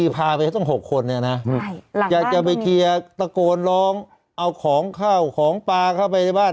ไปจะเหมาะไว้ต้อง๖คน